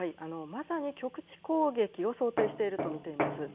まさに局地攻撃を想定していると見ています。